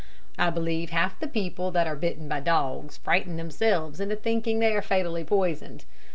I believe half the people that are bitten by dogs frighten themselves into thinking they are fatally poisoned.